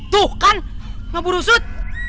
tuh kan mabu rusut